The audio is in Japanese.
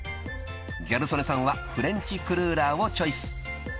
［ギャル曽根さんはフレンチクルーラーをチョイス］